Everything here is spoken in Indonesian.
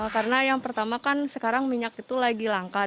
karena yang pertama kan sekarang minyak itu lagi langka